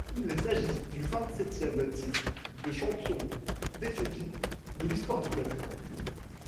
Il s'agit du vingt-septième titre de champion d'Éthiopie de l'histoire du club.